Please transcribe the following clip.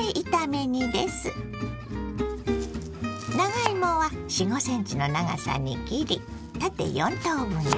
長芋は４５ｃｍの長さに切り縦４等分に。